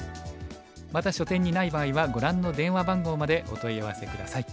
また書店にない場合はご覧の電話番号までお問い合わせ下さい。